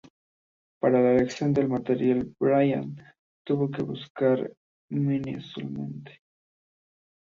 Para la elección del material, Brian tuvo que buscar minuciosamente.